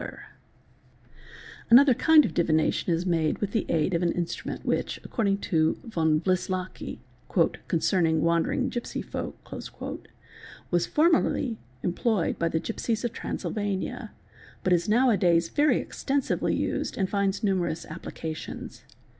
7 50 394 SUPERSTITION Another kind of divination is made with the aid of an instrument which, according to von Wlislocki ('Concerning Wandering Gipsy Folk"'), was formerly employed by the gipsies of Transylvania, but is now a days very extensively used and finds numerous applications.